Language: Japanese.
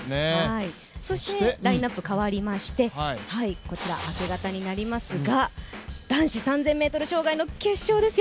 そしてラインナップ変わりましてこちら明け方になりますが男子３０００ｍ障害の決勝ですよ。